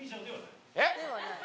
えっ？